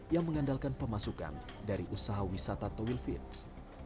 yang mengandalkan pemasukan dari usaha wisata muntowil fits